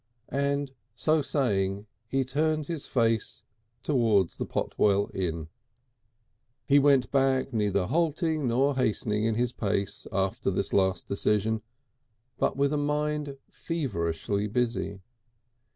And so saying he turned his face towards the Potwell Inn. He went back neither halting nor hastening in his pace after this last decision, but with a mind feverishly busy.